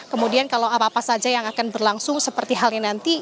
kemudian kalau apa apa saja yang akan berlangsung seperti halnya nanti